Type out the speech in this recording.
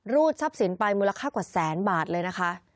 รูดทรัพย์สินไปมูลค่ากว่าแสนบาทเลยนะคะ